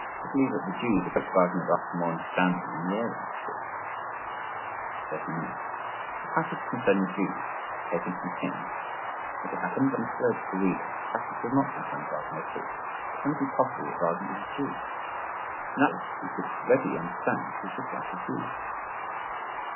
I believe that the Jews approach Wagner's art with more understanding than the Aryans do. 39. A passage concerning the Jews, taken from Taine.—As it happens, I have misled the reader, the passage does not concern Wagner at all.—But can it be possible that Wagner is a Jew? In that case we could readily understand his dislike of Jews.